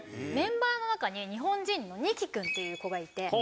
メンバーの中に日本人のＮＩ−ＫＩ君っていう子がいて。